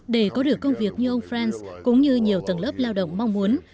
để có được công việc như ông france cũng như nhiều tầng lớp lao động mong muốn